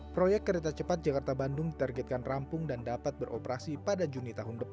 proyek kereta cepat jakarta bandung ditargetkan rampung dan dapat beroperasi pada juni tahun depan